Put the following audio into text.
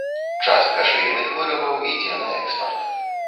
Частка швейных вырабаў ідзе на экспарт.